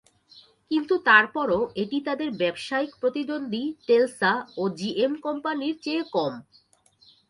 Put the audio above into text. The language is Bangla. কিন্তু তারপরও এটি তাদের ব্যবসায়িক প্রতিদ্বন্দ্বী টেলসা ও জিএম কোম্পানির চেয়ে কম।